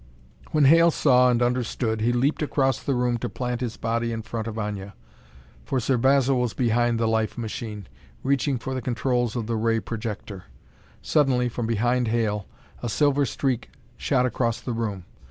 When Hale saw and understood, he leaped across the room to plant his body in front of Aña; for Sir Basil was behind the life machine, reaching for the controls of the ray projector. Suddenly, from behind Hale, a silver streak shot across the room.